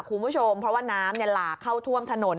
คุณผู้ชมเพราะว่าน้ำหลากเข้าท่วมถนน